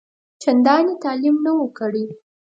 چنداني تعلیم نه وو کړی.